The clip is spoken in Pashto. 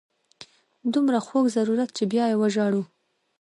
دومره خوږ ضرورت چې بیا یې وژاړو.